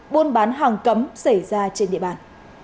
buôn bán hàng cấm xảy ra trên địa bàn